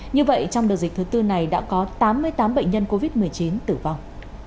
như vậy trong đợt dịch thứ tư này đã có tám mươi tám bệnh nhân covid một mươi chín tử vong